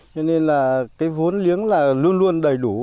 cho nên là cái vốn liếng là luôn luôn đầy đủ